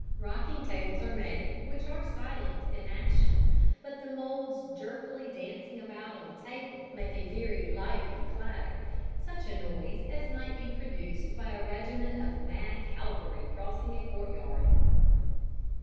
Rocking tables are made which are silent in action, but the moulds jerkily dancing about on the table make a very lively clatter, such a noise as might be produced by a regiment of mad cavalry crossing a courtyard.